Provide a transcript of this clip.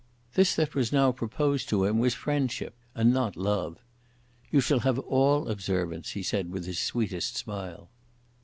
This that was now proposed to him was friendship, and not love. "You shall have all observance," he said with his sweetest smile.